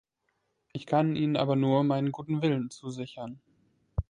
Ich kann Ihnen aber nur meinen guten Willen zusichern.